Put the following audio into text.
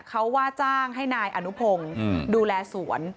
เขาว่าจ้างให้นายอนุพงศ์ดูแลสวน